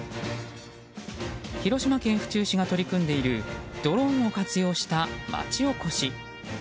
広島県府中市が取り組んでいるドローンを活用した町おこし。